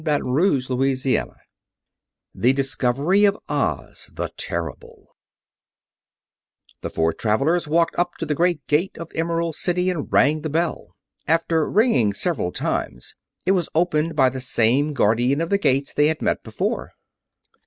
Chapter XV The Discovery of Oz, the Terrible The four travelers walked up to the great gate of Emerald City and rang the bell. After ringing several times, it was opened by the same Guardian of the Gates they had met before.